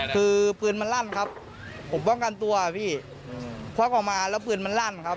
คือปืนมันลั่นครับผมป้องกันตัวพี่ควักออกมาแล้วปืนมันลั่นครับ